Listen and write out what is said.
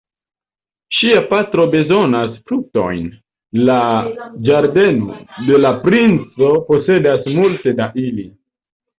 Ŝia patro bezonas fruktojn; la ĝardeno de la princo posedas multe da ili.